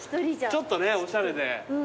ちょっとねおしゃれで。